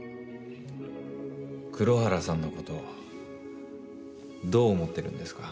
黒原さんの事どう思ってるんですか？